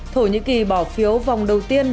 thổ nhĩ kỳ bỏ phiếu vòng đầu tiên